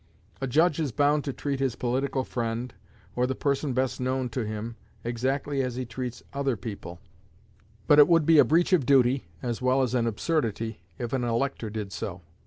A judge is bound to treat his political friend, or the person best known to him, exactly as he treats other people; but it would be a breach of duty, as well as an absurdity, if an elector did so.